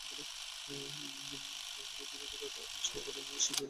Harry ধীরে ধীরে আবিষ্কার করে যে, সে জাদুকর সম্প্রদায়ের মধ্যে অত্যন্ত বিখ্যাত।